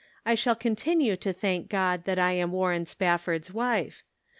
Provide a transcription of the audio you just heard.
159 I shall continue to thank God that I am Warren Spafford's wife.